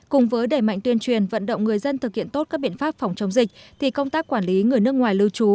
cùng với đẩy mạnh tuyên truyền vận động người dân thực hiện tốt các biện pháp phòng chống dịch thì công tác quản lý người nước ngoài lưu trú